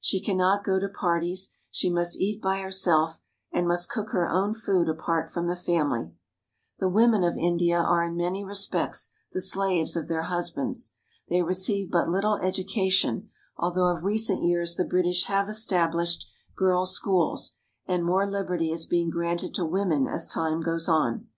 She cannot go to parties. She must eat by herself, and must cook her own food apart from the family. The women of India are in many respects the slaves of their husbands. They receive but little education, although of recent years the British have established girls' schools, and more liberty is being granted to women as time goes on.